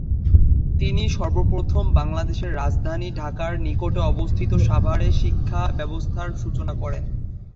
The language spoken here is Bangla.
তিনি সর্বপ্রথম বাংলাদেশের রাজধানী ঢাকার নিকটে অবস্থিত সাভারে শিক্ষা ব্যবস্থার সূচনা করেন।